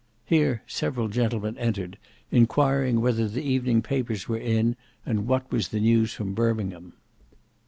Here several gentlemen entered, enquiring whether the evening papers were in and what was the news from Birmingham.